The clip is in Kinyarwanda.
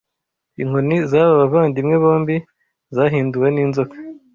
Inkoni z'aba bavandimwe bombi zahinduwe n'inzoka